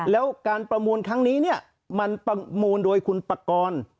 แล้วการประมูลครั้งนี้เนี่ยมันประมูลโดยคุณปากร